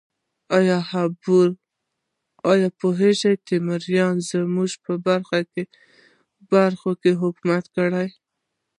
ایا پوهیږئ تیموریانو زموږ په برخو کې حکومت کړی؟